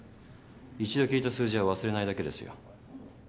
１度聞いた数字は忘れないだけですよ。